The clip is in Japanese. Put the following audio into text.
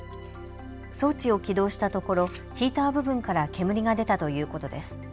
装置を起動したところヒーター部分から煙が出たということです。